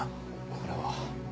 これは。